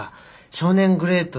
少年グレート？